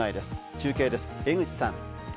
中継です、江口さん。